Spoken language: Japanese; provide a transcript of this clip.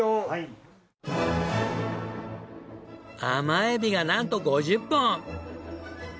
甘エビがなんと５０本！